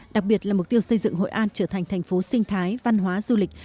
đặc biệt là mục tiêu xây dựng hội an trở thành thành phố sinh thái văn hóa du lịch